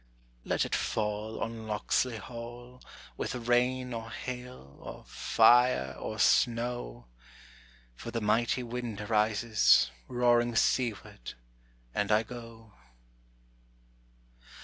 Let it fall on Locksley Hall, with rain or hail, or fire or snow; For the mighty wind arises, roaring seaward, and I go.